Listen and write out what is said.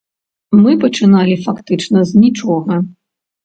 Мы пачыналі фактычна з нічога.